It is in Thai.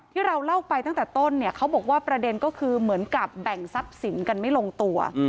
ที่เราเล่าไปตั้งแต่ต้นเนี่ยเขาบอกว่าประเด็นก็คือเหมือนกับแบ่งทรัพย์สินกันไม่ลงตัว